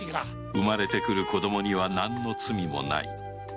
生まれてくる子供には何の罪もない